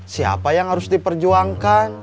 siapa yang harus diperjuangkan